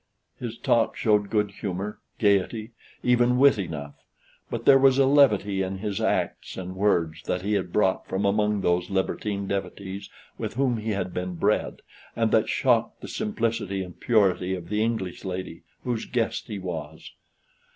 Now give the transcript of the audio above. His talk showed good humor, gayety, even wit enough; but there was a levity in his acts and words that he had brought from among those libertine devotees with whom he had been bred, and that shocked the simplicity and purity of the English lady, whose guest he was.